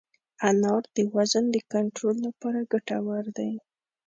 انار د وزن د کنټرول لپاره ګټور دی.